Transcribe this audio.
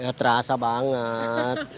ya terasa banget